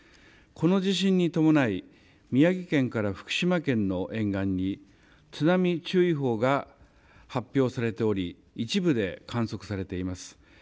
この地震に伴い宮城県から福島県の沿岸に津波注意報が発表されており、一部で観測されています。